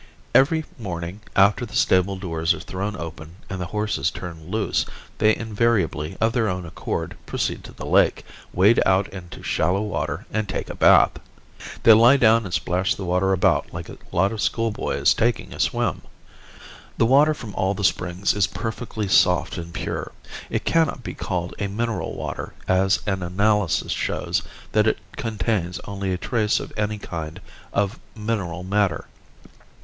Every morning after the stable doors are thrown open and the horses turned loose they invariably, of their own accord, proceed to the lake, wade out into shallow water and take a bath. They lie down and splash the water about like a lot of schoolboys taking a swim. The water from all the springs is perfectly soft and pure. It cannot be called a mineral water, as an analysis shows that it contains only a trace of any kind of mineral matter.